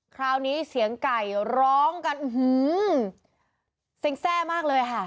คราวนี้เสียงไก่ร้องกันอื้อหือแซ่งแซ่มากเลยค่ะ